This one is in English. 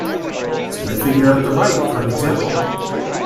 See the figure at the right for an example.